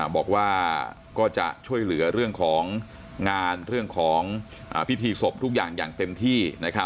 บอกว่าก็จะช่วยเหลือเรื่องของงานเรื่องของพิธีศพทุกอย่างอย่างเต็มที่